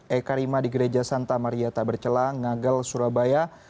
eka rima di gereja santa maria tabercelah ngagel surabaya